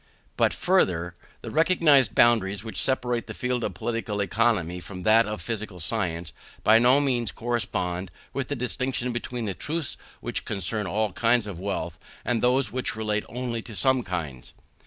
But, further, the recognised boundaries which separate the field of Political Economy from that of physical science, by no means correspond with the distinction between the truths which concern all kinds of wealth and those which relate only to some kinds.